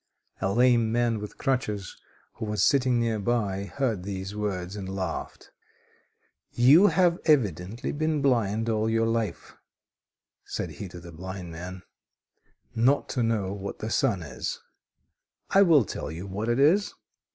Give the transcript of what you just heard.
A lame man with crutches, who was sitting near by, heard these words, and laughed: "You have evidently been blind all your life," said he to the blind man, "not to know what the sun is. I will tell you what it is.